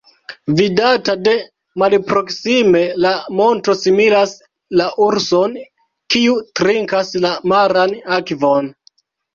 Vidata de malproksime la monto similas la urson, kiu trinkas la maran akvon.